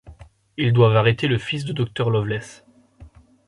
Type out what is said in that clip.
Ils doivent arrêter le fils de Dr Loveless.